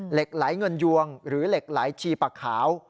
เหล็กไหลเงินยวงหรือเหล็กไหลชีปะขาว